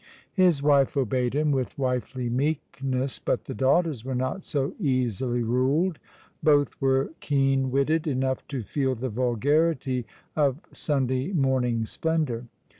His wife obeyed him with wifely meekness, but the daughters were not so easily ruled. Both were keen witted enough to feel the vulgarity of Sunday morning splendour.